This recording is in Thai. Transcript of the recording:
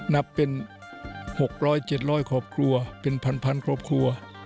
นับเป็น๖๐๐๗๐๐ของครัวเป็นพันธุ์ครัวครัว